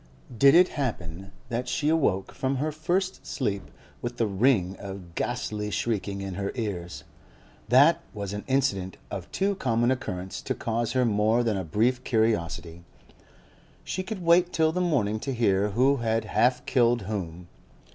Did it happen that she awoke from her first sleep with the ring of ghastly shrieking in her ears, that was an incident of too common occurrence to cause her more than a brief curiosity; she could wait till the morning to hear who had half killed whom.